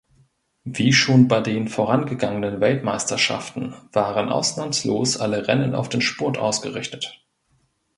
Wie schon bei den vorangegangenen Weltmeisterschaften waren ausnahmslos alle Rennen auf den Spurt ausgerichtet.